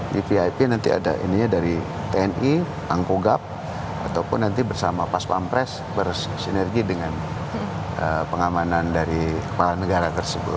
di vip nanti ada ininya dari tni angkogap ataupun nanti bersama pas pampres bersinergi dengan pengamanan dari kepala negara tersebut